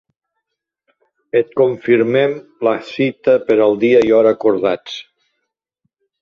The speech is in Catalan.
Et confirmem la cita per al dia i hora acordats.